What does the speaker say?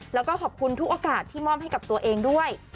แล้วก็ขอบคุณทุกโอกาสที่มอบให้กับตัวเองด้วย